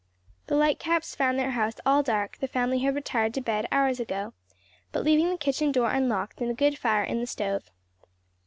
The Lightcaps found their house all dark the family had retired to bed hours ago, but leaving the kitchen door unlocked and a good fire in the stove.